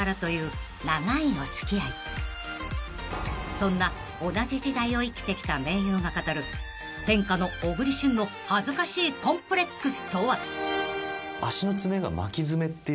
［そんな同じ時代を生きてきた盟友が語る天下の小栗旬の恥ずかしいコンプレックスとは］